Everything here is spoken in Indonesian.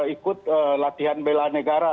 ikut latihan bela negara